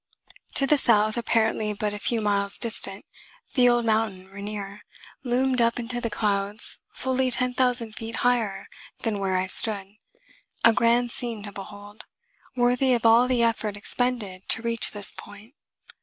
To the south, apparently but a few miles distant, the old mountain, Rainier, loomed up into the clouds fully ten thousand feet higher than where I stood, a grand scene to behold, worthy of all the effort expended to reach this point.